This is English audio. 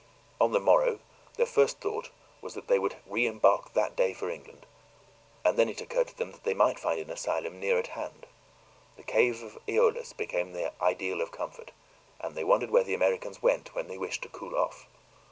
On the morrow, their first thought was that they would re embark that day for England; and then it occured to them that they might find an asylum nearer at hand. The cave of Aeolus became their ideal of comfort, and they wondered where the Americans went when they wished to cool off.